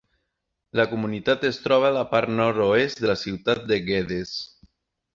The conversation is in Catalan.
La comunitat es troba a la part nord-oest de la ciutat de Geddes.